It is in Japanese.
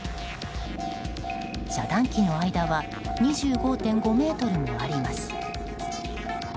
遮断機の間は２５．５ｍもあります。